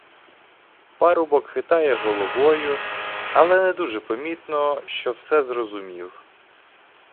Парубок хитає головою, але не дуже помітно, що все зрозумів.